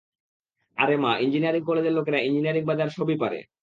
আরে মা ইঞ্জিনিয়ারিং কলেজের লোকেরা ইঞ্জিনিয়ারিং বাদে আর সবই পারে!